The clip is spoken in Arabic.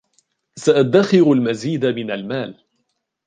سأدخر المزيد من المال.